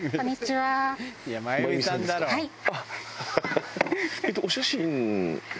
はい。